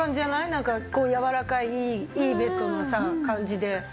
なんかやわらかいいいベッドのさ感じで。